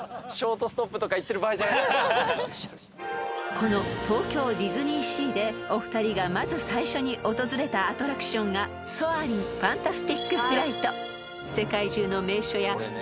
［この東京ディズニーシーでお二人がまず最初に訪れたアトラクションがソアリン：ファンタスティック・フライト］